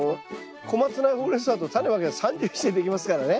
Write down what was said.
コマツナホウレンソウだとタネまけば３０日でできますからね。